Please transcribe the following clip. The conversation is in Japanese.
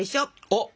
おっ！